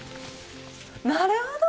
なるほど！